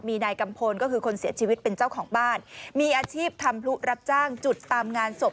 มีนายกัมพลก็คือคนเสียชีวิตเป็นเจ้าของบ้านมีอาชีพทำพลุรับจ้างจุดตามงานศพ